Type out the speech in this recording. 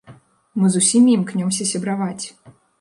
Мы з усімі імкнёмся сябраваць.